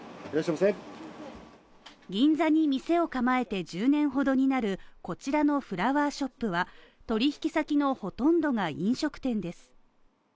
銀座に店を構えて１０年ほどになるこちらのフラワーショップは、取引先のほとんどが飲食店です。